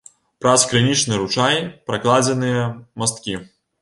Праз крынічны ручай пракладзеныя масткі.